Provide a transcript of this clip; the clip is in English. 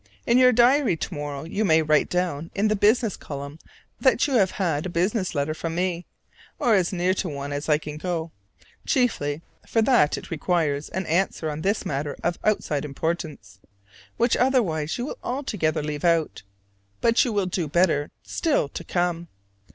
In your diary to morrow you may write down in the business column that you have had a business letter from me, or as near to one as I can go: chiefly for that it requires an answer on this matter of "outside importance," which otherwise you will altogether leave out. But you will do better still to come.